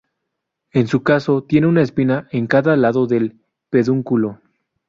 En su caso tiene una espina a cada lado del pedúnculo.